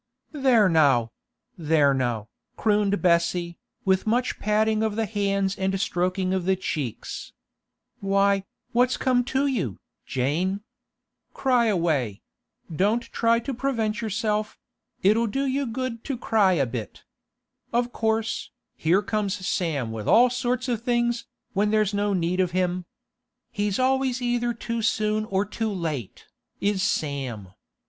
'There now; there now,' crooned Bessie, with much patting of the hands and stroking of the cheeks. 'Why, what's come to you, Jane? Cry away; don't try to prevent yourself; it'll do you good to cry a bit. Of course, here comes Sam with all sorts of things, when there's no need of him. He's always either too soon or too late, is Sam.